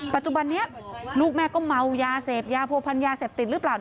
ปัจจุบันนี้ลูกแม่ก็เมายาเสพยาผัวพันยาเสพติดหรือเปล่า